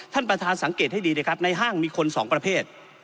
ท่านประธานสังเกตให้ดีนะครับในห้างมีคนสองประเภท